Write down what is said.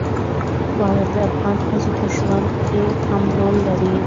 واوره د افغان ښځو په ژوند کې هم رول لري.